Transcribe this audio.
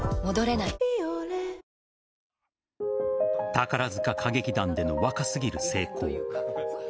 宝塚歌劇団での若すぎる成功。